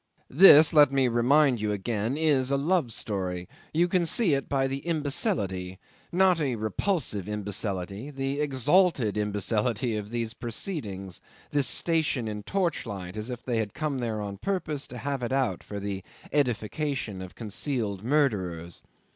This, let me remind you again, is a love story; you can see it by the imbecility, not a repulsive imbecility, the exalted imbecility of these proceedings, this station in torchlight, as if they had come there on purpose to have it out for the edification of concealed murderers.